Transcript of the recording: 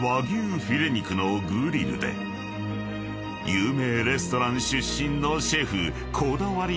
［有名レストラン出身のシェフこだわりの一品］